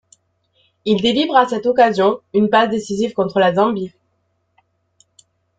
Il délivre à cette occasion une passe décisive contre la Zambie.